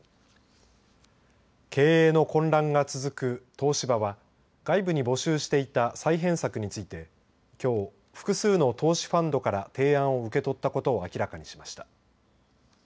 経営の混乱が続く東芝は、外部に募集していた再編策について、きょう複数の投資ファンドから提案を受け取ったことを明らかにしました。